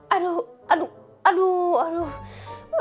aduh aduh aduh aduh